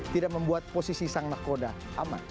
tidak membuat posisi sang nakoda aman